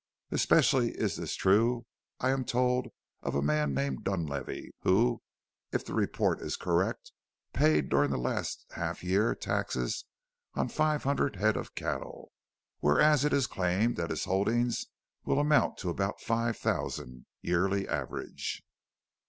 Especially is this true I am told of a man named Dunlavey, who, if the report is correct, paid, during the last half year, taxes on five hundred head of cattle, whereas it is claimed that his holdings will amount to about five thousand, yearly average.